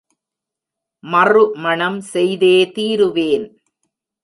மறுமணம் செய்தே தீருவேன்.